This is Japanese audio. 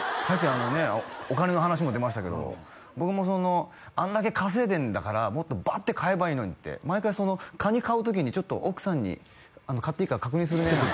さっきあのねお金の話も出ましたけど僕もそのあんだけ稼いでんだからもっとバッて買えばいいのにって毎回そのカニ買う時にちょっと奥さんに買っていいか確認するね